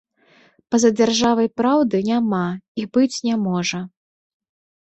Па-за дзяржавай праўды няма і быць не можа.